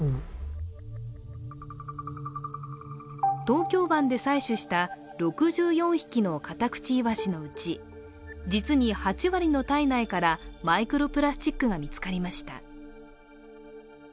東京湾で採取した６４匹のカタクチイワシのうち実に８割の体内からマイクロプラスチックが見つかりました。